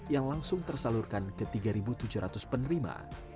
yang langsung tersalurkan ke tiga tujuh ratus penerima